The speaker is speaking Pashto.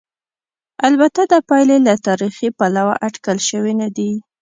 البته دا پایلې له تاریخي پلوه اټکل شوې نه دي.